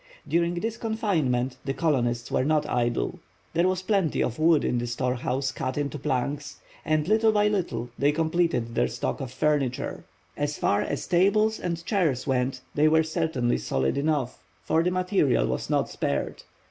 During this confinement the colonists were not idle. There was plenty of wood in the storehouse cut into planks, and little by little they completed their stock of furniture. As far as tables and chairs went they were certainly solid enough, for the material was not spared.